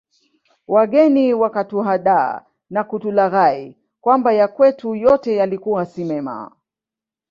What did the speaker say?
Wageni wakatuhadaa na kutulaghai kwamba ya kwetu yote yalikuwa si mema